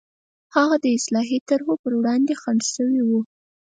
هغه د اصلاحي طرحو پر وړاندې خنډ شوي وو.